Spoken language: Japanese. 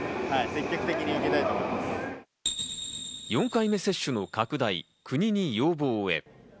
４回目接種の拡大、国に要望へ。